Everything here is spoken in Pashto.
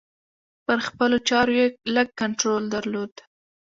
پر خپلو چارو یې لږ کنترول درلود.